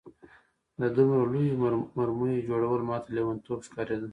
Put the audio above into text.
د دومره لویو مرمیو جوړول ماته لېونتوب ښکارېده